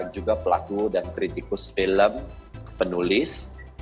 juga pelaku dan kritikus film penulis